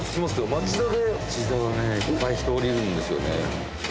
町田はねいっぱい人降りるんですよね。